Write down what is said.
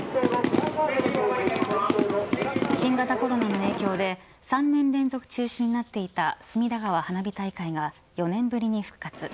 新型コロナの影響で３年連続中止になっていた隅田川花火大会が４年ぶりに復活。